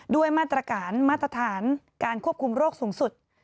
ด้วยมาตรการมาตรฐานการควบคุมโรคสูงสุด